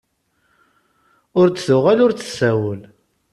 Ur d-tuɣal ur d-tsawel.